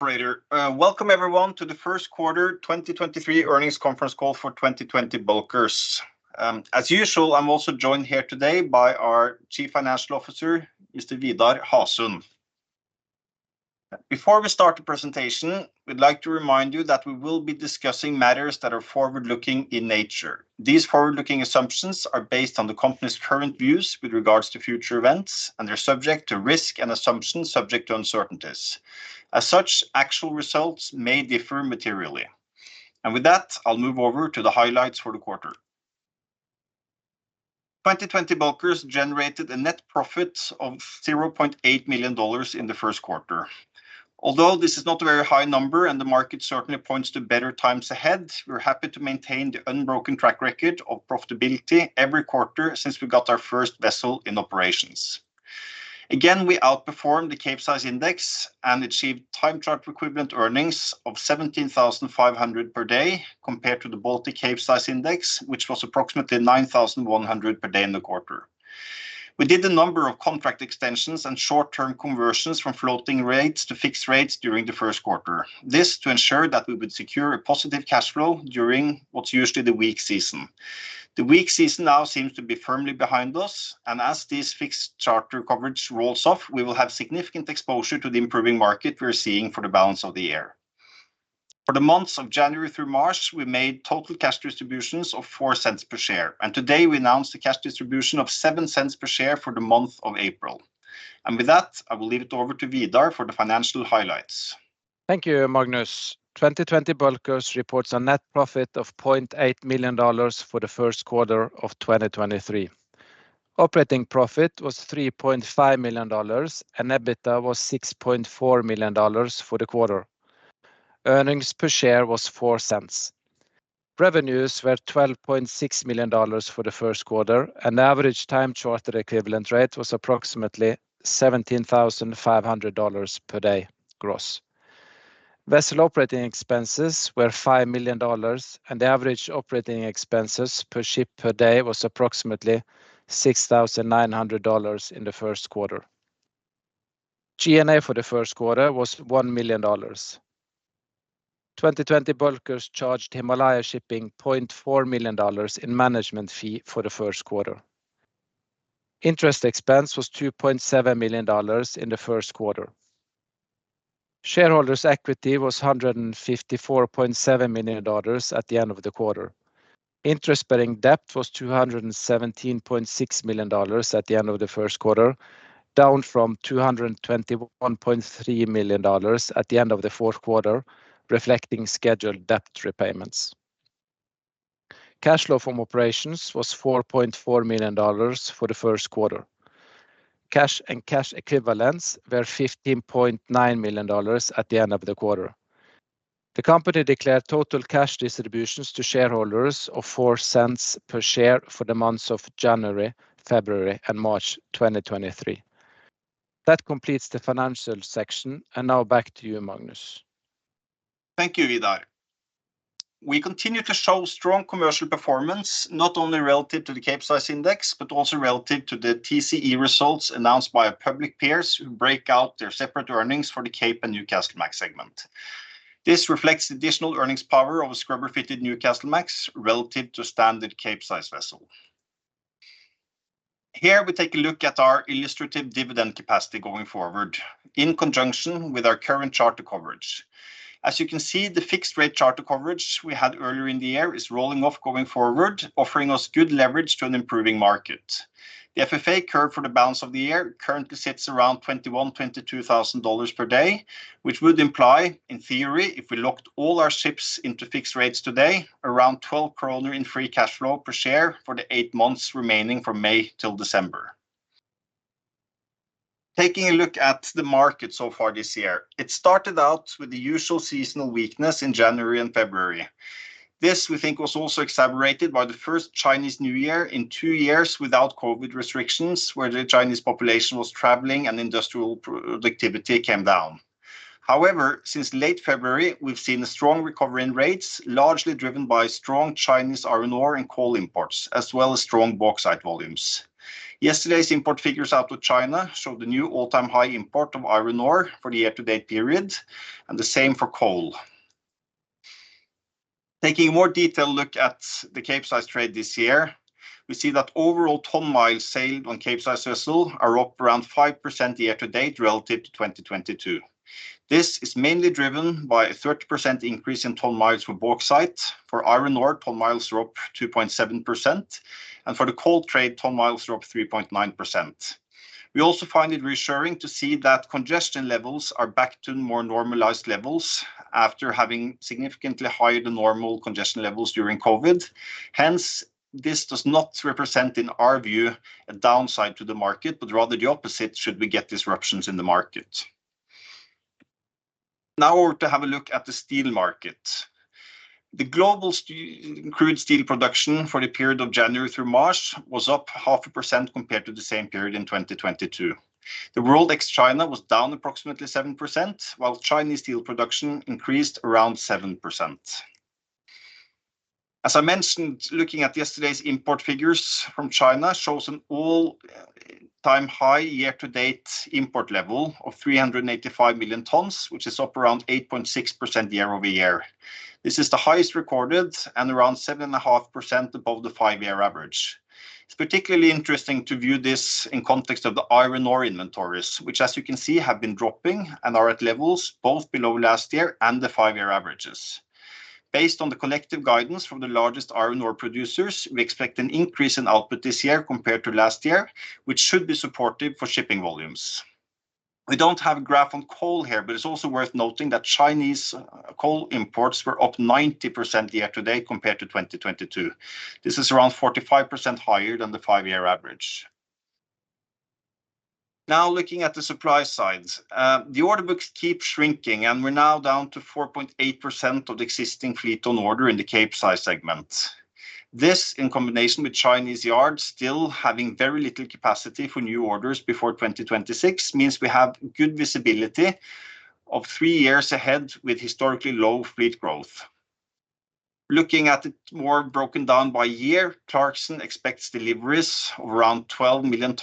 Operator. Welcome everyone to the first quarter 2023 earnings conference call for 2020 Bulkers. As usual, I'm also joined here today by our Chief Financial Officer, Mr. Vidar Hasund. Before we start the presentation, we'd like to remind you that we will be discussing matters that are forward-looking in nature. These forward-looking assumptions are based on the company's current views with regards to future events, they're subject to risk and assumptions subject to uncertainties. As such, actual results may differ materially. With that, I'll move over to the highlights for the quarter. 2020 Bulkers generated a net profit of $0.8 million in the first quarter. Although this is not a very high number and the market certainly points to better times ahead, we're happy to maintain the unbroken track record of profitability every quarter since we got our first vessel in operations. Again, we outperformed the Capesize Index and achieved time charter equivalent earnings of $17,500 per day compared to the Baltic Capesize Index, which was approximately $9,100 per day in the quarter. We did a number of contract extensions and short-term conversions from floating rates to fixed rates during the first quarter. This to ensure that we would secure a positive cash flow during what's usually the weak season. The weak season now seems to be firmly behind us, and as this fixed charter coverage rolls off, we will have significant exposure to the improving market we're seeing for the balance of the year. For the months of January through March, we made total cash distributions of $0.04 per share. Today we announced a cash distribution of $0.07 per share for the month of April. With that, I will leave it over to Vidar for the financial highlights. Thank you, Magnus. 2020 Bulkers reports a net profit of $0.8 million for the first quarter of 2023. Operating profit was $3.5 million, and EBITDA was $6.4 million for the quarter. Earnings per share was $0.04. Revenues were $12.6 million for the first quarter, and the average time charter equivalent rate was approximately $17,500 per day gross. Vessel operating expenses were $5 million, and the average operating expenses per ship per day was approximately $6,900 in the first quarter. G&A for the first quarter was $1 million. 2020 Bulkers charged Himalaya Shipping $0.4 million in management fee for the first quarter. Interest expense was $2.7 million in the first quarter. Shareholders' equity was $154.7 million at the end of the quarter. Interest-bearing debt was $217.6 million at the end of the first quarter, down from $221.3 million at the end of the fourth quarter, reflecting scheduled debt repayments. Cash flow from operations was $4.4 million for the first quarter. Cash and cash equivalents were $15.9 million at the end of the quarter. The company declared total cash distributions to shareholders of $0.04 per share for the months of January, February, and March 2023. That completes the financial section, now back to you, Magnus. Thank you, Vidar. We continue to show strong commercial performance, not only relative to the Capesize Index, but also relative to the TCE results announced by our public peers who break out their separate earnings for the Cape and Newcastlemax segment. This reflects the additional earnings power of a scrubber-fitted Newcastlemax relative to standard Capesize vessel. Here we take a look at our illustrative dividend capacity going forward in conjunction with our current charter coverage. As you can see, the fixed rate charter coverage we had earlier in the year is rolling off going forward, offering us good leverage to an improving market. The FFA curve for the balance of the year currently sits around $21,000-$22,000 per day, which would imply, in theory, if we locked all our ships into fixed rates today, around 12 kroner in free cash flow per share for the eight months remaining from May till December. Taking a look at the market so far this year, it started out with the usual seasonal weakness in January and February. This, we think, was also exacerbated by the first Chinese New Year in two years without COVID restrictions, where the Chinese population was traveling and industrial productivity came down. Since late February, we've seen a strong recovery in rates, largely driven by strong Chinese iron ore and coal imports, as well as strong bauxite volumes. Yesterday's import figures out of China showed the new all-time high import of iron ore for the year-to-date period, and the same for coal. Taking a more detailed look at the Capesize trade this year, we see that overall ton-miles sailed on Capesize vessels are up around 5% year-to-date relative to 2022. This is mainly driven by a 30% increase in ton-miles for bauxite. For iron ore, ton-miles are up 2.7%, and for the coal trade, ton-miles are up 3.9%. We also find it reassuring to see that congestion levels are back to more normalized levels after having significantly higher than normal congestion levels during COVID. This does not represent, in our view, a downside to the market, but rather the opposite should we get disruptions in the market. Now over to have a look at the steel market. The global crude steel production for the period of January through March was up 0.5% compared to the same period in 2022. The world ex-China was down approximately 7%, while Chinese steel production increased around 7%. As I mentioned, looking at yesterday's import figures from China shows an all-time high year-to-date import level of 385 million tons, which is up around 8.6% year-over-year. This is the highest recorded and around 7.5% above the five-year average. It's particularly interesting to view this in context of the iron ore inventories, which as you can see, have been dropping and are at levels both below last year and the five-year averages. Based on the collective guidance from the largest iron ore producers, we expect an increase in output this year compared to last year, which should be supportive for shipping volumes. We don't have a graph on coal here. It's also worth noting that Chinese coal imports were up 90% year to date compared to 2022. This is around 45% higher than the 5-year average. Looking at the supply side, the order books keep shrinking, and we're now down to 4.8% of the existing fleet on order in the Capesize segment. This, in combination with Chinese yards still having very little capacity for new orders before 2026, means we have good visibility of three years ahead with historically low fleet growth. Looking at it more broken down by year, Clarkson expects deliveries of around 12 million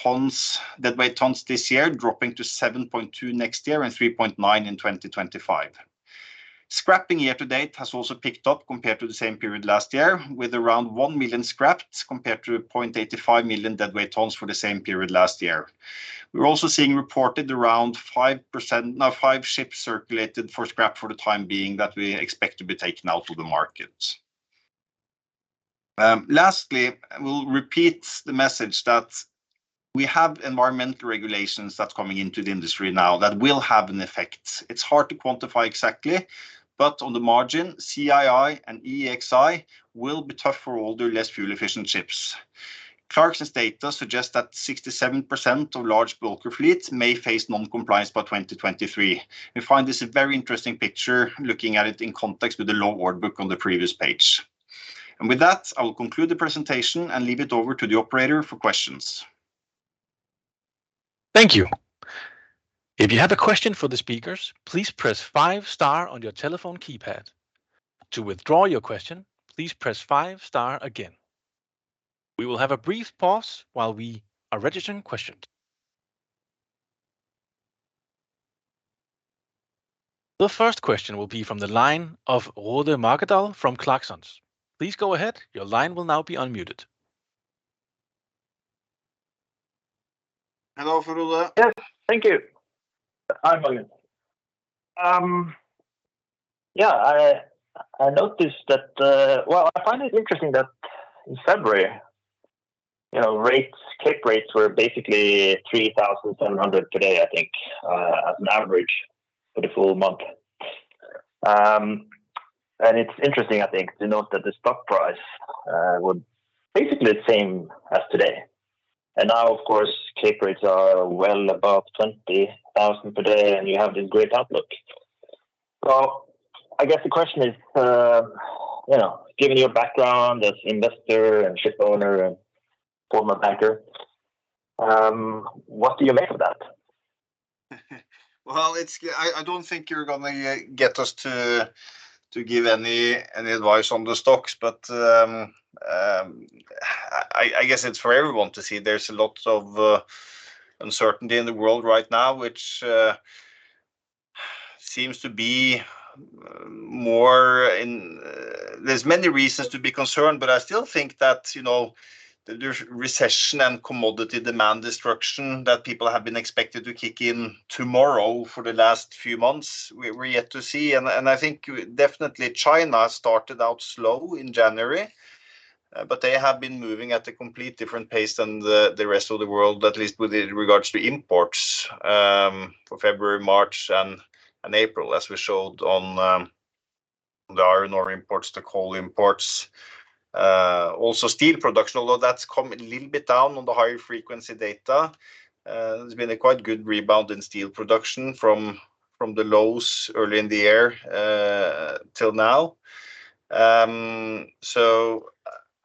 deadweight tons this year, dropping to 7.2 next year and 3.9 in 2025. Scrapping year to date has also picked up compared to the same period last year, with around 1 million scrapped compared to 0.85 million deadweight tons for the same period last year. We're also seeing reported around 5%, five ships circulated for scrap for the time being that we expect to be taken out of the market. Lastly, we'll repeat the message that we have environmental regulations that's coming into the industry now that will have an effect. It's hard to quantify exactly, but on the margin, CII and EEXI will be tough for older, less fuel-efficient ships. Clarkson's data suggests that 67% of large bulker fleets may face non-compliance by 2023. We find this a very interesting picture, looking at it in context with the low order book on the previous page. With that, I will conclude the presentation and leave it over to the operator for questions. Thank you. If you have a question for the speakers, please press five star on your telephone keypad. To withdraw your question, please press five star again. We will have a brief pause while we are registering questions. The first question will be from the line of Frode Mørkedal from Clarksons. Please go ahead. Your line will now be unmuted. Hello, Ole. Yes. Thank you. Hi, Magnus. Yeah, I noticed that. Well, I find it interesting that in February rates, Cape rates were basically $3,700 today, I think, as an average for the full month. It's interesting, I think, to note that the stock price was basically the same as today. Now, of course, Cape rates are well above $20,000 per day, and you have this great outlook. I guess the question is given your background as investor and shipowner and former banker, what do you make of that? Well, I don't think you're going to get us to give any advice on the stocks, but I guess it's for everyone to see. There's a lot of uncertainty in the world right now, which seems to be more in. There's many reasons to be concerned, but I still think that, you know, the recession and commodity demand destruction that people have been expected to kick in tomorrow for the last few months, we're yet to see. I think definitely China started out slow in January, but they have been moving at a complete different pace than the rest of the world, at least with regards to imports for February, March and April, as we showed on the iron ore imports, the coal imports. Steel production, although that's come a little bit down on the higher frequency data, there's been a quite good rebound in steel production from the lows early in the year, till now.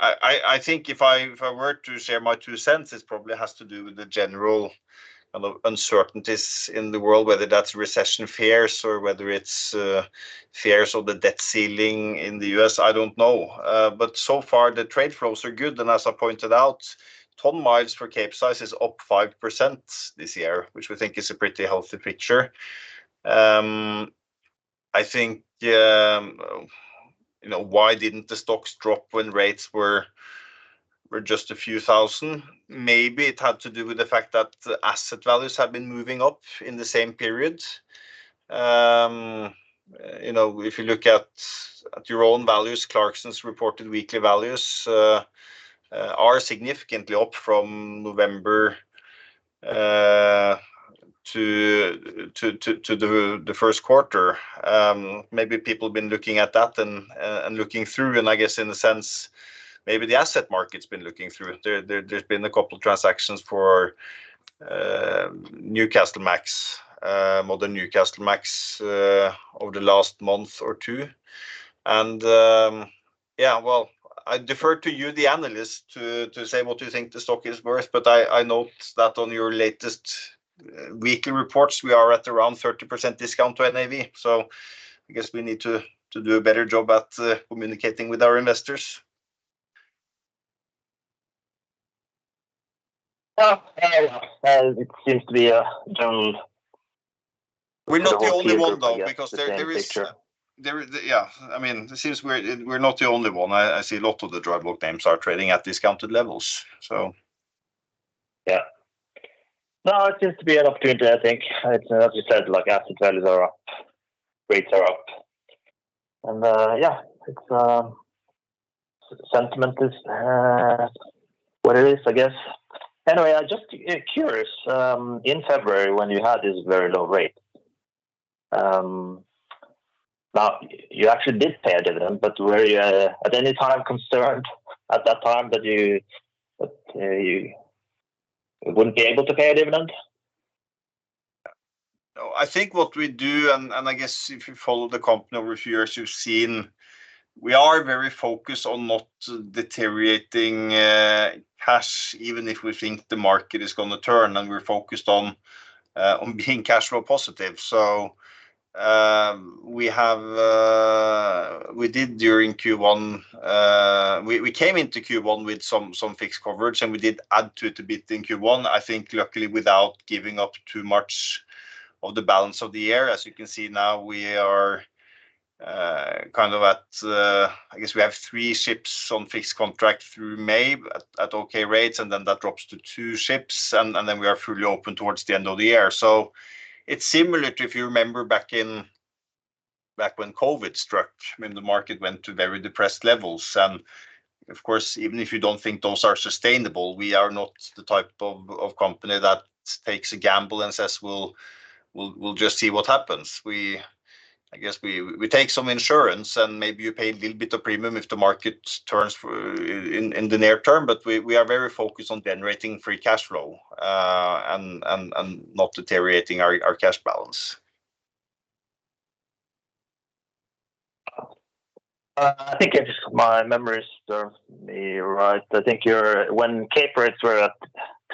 I think if I were to share my two cents, this probably has to do with the general, you know, uncertainties in the world, whether that's recession fears or whether it's fears of the debt ceiling in the U.S., I don't know. So far the trade flows are good, and as I pointed out, ton-miles for Capesize is up 5% this year, which we think is a pretty healthy picture. I think why didn't the stocks drop when rates were just a few thousand? Maybe it had to do with the fact that asset values have been moving up in the same period. you know, if you look at your own values, Clarksons reported weekly values are significantly up from November to the first quarter. Maybe people have been looking at that and looking through, and I guess in a sense, maybe the asset market's been looking through. There's been a couple of transactions for Newcastlemax, modern Newcastlemax over the last month or two. Yeah, well, I defer to you, the analyst, to say what you think the stock is worth, but I note that on your latest weekly reports, we are at around 30% discount to NAV. I guess we need to do a better job at communicating with our investors. Well, it seems to be a general We're not the only one, though. Yeah, I mean, it seems we're not the only one. I see a lot of the dry bulk names are trading at discounted levels, so. Yeah. No, it seems to be an opportunity, I think. It's, as you said, like asset values are up, rates are up. Yeah, it's sentiment is what it is, I guess. Anyway, I'm just curious in February, when you had this very low rate, now you actually did pay a dividend, but were you at any time concerned at that time that you wouldn't be able to pay a dividend? I think what we do, and I guess if you follow the company over a few years, you've seen we are very focused on not deteriorating cash, even if we think the market is gonna turn, and we're focused on being cash flow positive. We have, we did during Q1. We came into Q1 with some fixed coverage, and we did add to it a bit in Q1, I think luckily without giving up too much of the balance of the year. As you can see now, we are kind of at, I guess we have three ships on fixed contract through May at okay rates, and then that drops to two ships. Then we are fully open towards the end of the year. It's similar to, if you remember back in, back when COVID struck, when the market went to very depressed levels. Of course, even if you don't think those are sustainable, we are not the type of company that takes a gamble and says, "We'll just see what happens." I guess we take some insurance, and maybe you pay a little bit of premium if the market turns in the near term, but we are very focused on generating free cash flow and not deteriorating our cash balance. I think if my memories serve me right, I think when Capesize were at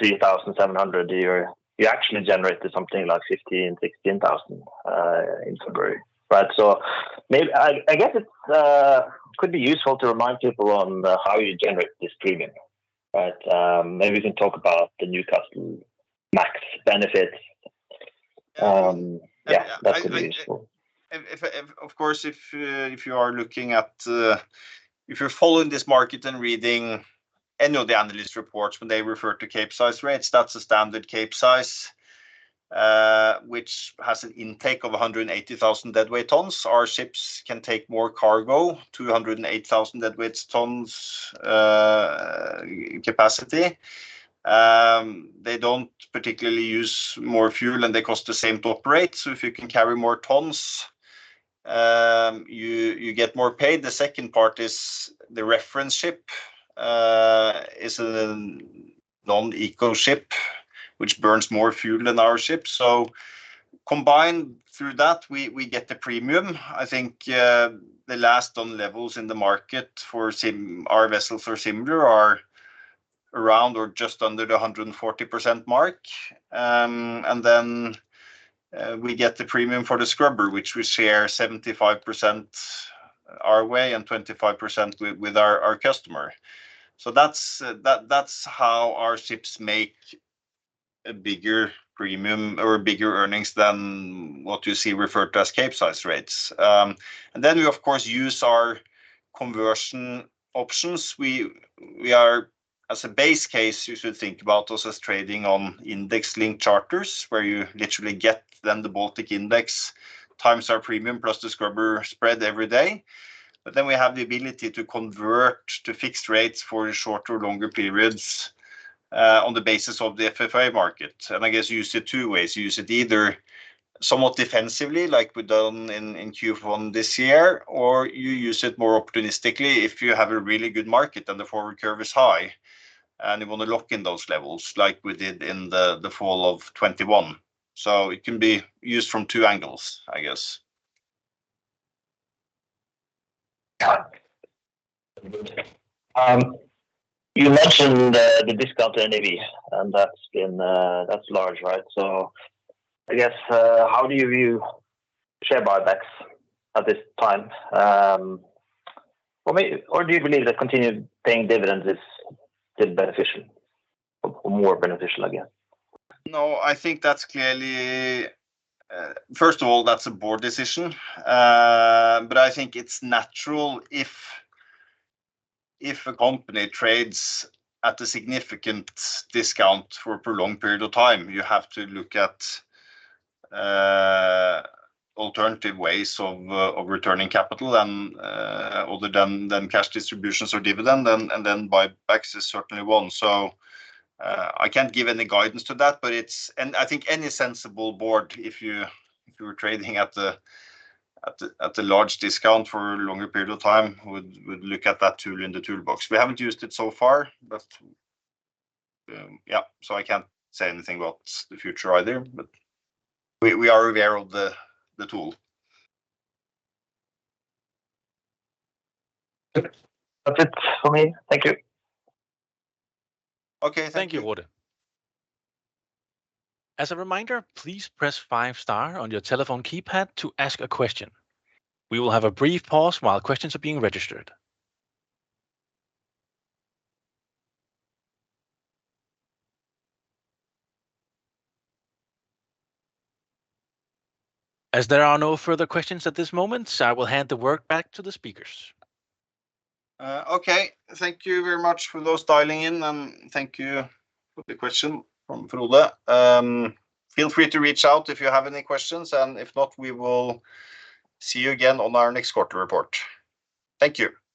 $3,700, you actually generated something like $15,000-$16,000 in February, right? I guess it could be useful to remind people on how you generate this premium, right? Maybe you can talk about the Newcastlemax benefits. Yeah, that could be useful. I If, of course, if you are looking at, if you're following this market and reading any of the analyst reports, when they refer to Capesize rates, that's a standard Capesize, which has an intake of 180,000 deadweight tons. Our ships can take more cargo, 208,000 deadweight tons capacity. They don't particularly use more fuel, and they cost the same to operate. If you can carry more tons, you get more paid. The second part is the reference ship is an non-eco ship which burns more fuel than our ship. Combined through that, we get the premium. I think the last on levels in the market for our vessels or similar are around or just under the 140% mark. We get the premium for the scrubber, which we share 75% our way and 25% with our customer. That's how our ships make a bigger premium or bigger earnings than what you see referred to as Capesize rates. We, of course, use our conversion options. We are, as a base case, you should think about us as trading on index-linked charters, where you literally get then the Baltic Index times our premium plus the scrubber spread every day. We have the ability to convert to fixed rates for shorter or longer periods on the basis of the FFA market. I guess you use it two ways. You use it either somewhat defensively, like we've done in Q1 this year, or you use it more opportunistically if you have a really good market and the forward curve is high, and you wanna lock in those levels like we did in the fall of 2021. It can be used from two angles, I guess. Got it. Good. You mentioned the discount to NAV, and that's been, that's large, right? I guess, how do you view share buybacks at this time? Or do you believe that continued paying dividends is still beneficial or more beneficial, I guess? I think that's clearly, first of all, that's a board decision. I think it's natural if a company trades at a significant discount for a prolonged period of time. You have to look at alternative ways of returning capital and other than cash distributions or dividend, and then buybacks is certainly one. I can't give any guidance to that. I think any sensible board, if you were trading at a large discount for a longer period of time, would look at that tool in the toolbox. We haven't used it so far, but I can't say anything about the future either. We are aware of the tool. Good. That's it for me. Thank you. Okay. Thank you. Thank you, Frode. As a reminder, please press five star on your telephone keypad to ask a question. We will have a brief pause while questions are being registered. As there are no further questions at this moment, I will hand the work back to the speakers. Okay. Thank you very much for those dialing in, and thank you for the question from Frode. Feel free to reach out if you have any questions, and if not, we will see you again on our next quarter report. Thank you. Bye-bye.